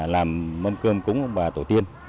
làm mâm cơm cúng bà tổ tiên